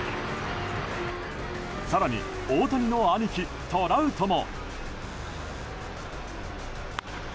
更に大谷の兄貴、トラウトも。